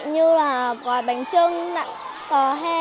như là bạch trưng tòa hê